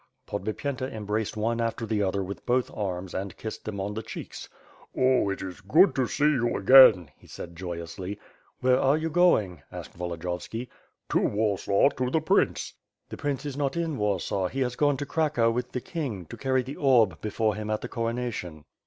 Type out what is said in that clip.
Podbiyenta embraced one after the other with both arms and kissed them on the cheeks. "Oh, it is good to see you again,*' he said joyously. "Where are you going?" asked Volodiyovski. To Warsaw, to the prince." "The prince is not in Warsaw, he has gone to Cracow with the king, to carry the orb before him at the coronation."